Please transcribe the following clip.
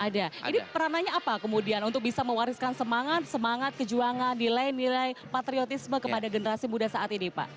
jadi perananya apa kemudian untuk bisa mewariskan semangat semangat kejuangan nilai nilai patriotisme kepada generasi muda saat ini pak